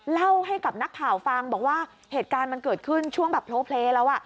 เล่าให้กับนักข่าวฟังบอกว่าเหตุการณ์มันเกิดขึ้นช่วงแบบโพลเพลย์แล้วอ่ะ